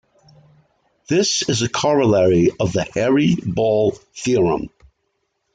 This is a corollary of the hairy ball theorem.